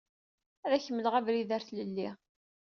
Ad ak-mleɣ abrid ɣer tlelli.